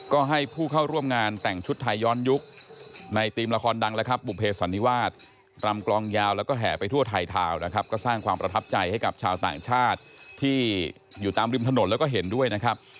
ก็ให้ผู้เข้าร่วมงานแต่งชุดไทยย้อนยุคในทีมละครดังแล้วครับบุภเสันนิวาสรำกลองยาวแล้วก็แห่ไปทั่วไทยทาวน์นะครับก็สร้างความประทับใจให้กับชาวต่างชาติที่อยู่ตามริมถนนแล้วก็เห็นด้วยนะครับ